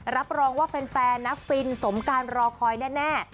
รับรองว่าแฟนนักฟินสมการรอคอยแน่